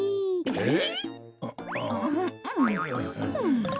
えっ？